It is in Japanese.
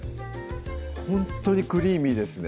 ほんとにクリーミーですね